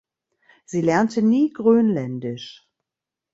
Sie lernte nie Grönländisch.